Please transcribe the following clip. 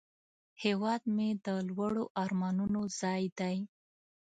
هیواد مې د لوړو آرمانونو ځای دی